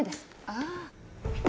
ああ。